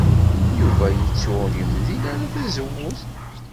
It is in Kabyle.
Yuba yettu ur yemdil ara tazewwut.